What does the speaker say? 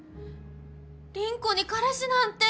凛子に彼氏なんて！